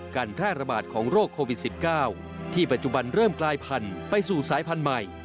การแพร่ระบาดของโรคโควิด๑๙ที่ปัจจุบันเริ่มกลายพันธุ์ไปสู่สายพันธุ์ใหม่